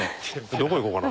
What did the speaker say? どこ行こうかな。